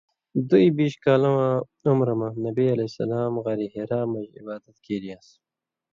دُوۡبیۡش کالہ واں عمرہ مہ نبی علیہ السلام غارِ حرا مَژ عِبادت کیریان٘س؛